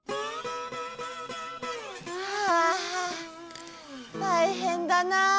あたいへんだな。